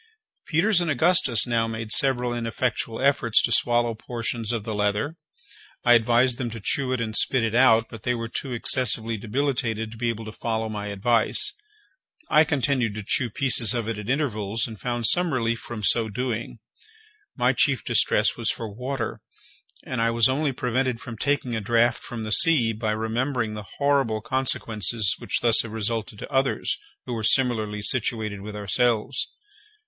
Peters and Augustus now made several ineffectual efforts to swallow portions of the leather. I advised them to chew it and spit it out; but they were too excessively debilitated to be able to follow my advice. I continued to chew pieces of it at intervals, and found some relief from so doing; my chief distress was for water, and I was only prevented from taking a draught from the sea by remembering the horrible consequences which thus have resulted to others who were similarly situated with ourselves.